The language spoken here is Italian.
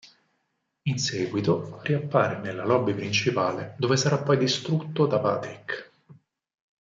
In seguito, riappare nella lobby principale, dove sarà poi distrutto da Patrick.